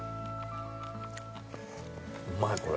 うまいこれ。